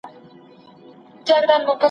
وېزه د تلو لپاره شرط ده.